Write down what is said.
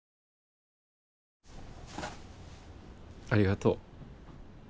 ありがとう。